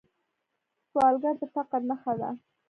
سوالګر د فقر نښه ده